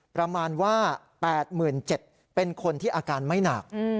ประมาณว่า๘๗๐๐เป็นคนที่อาการไม่หนัก